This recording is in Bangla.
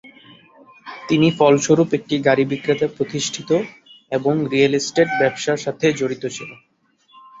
তিনি ফলস্বরূপ একটি গাড়ী বিক্রেতা প্রতিষ্ঠিত, এবং রিয়েল এস্টেট ব্যবসার সাথে জড়িত ছিল।